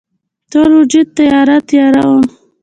ټول وجود تیاره، تیاره وم